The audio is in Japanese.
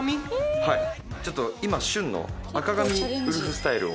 はいちょっと今旬の赤髪ウルフスタイルを。